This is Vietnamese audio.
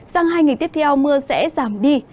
sáng hai ngày tiếp theo mưa sẽ giảm đi